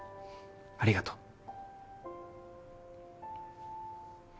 ありがとう。